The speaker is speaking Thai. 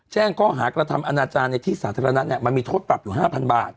แจ้งข้อหากระทำอนาจารย์ในที่สาธารณะมันมีโทษปรับอยู่๕๐๐บาท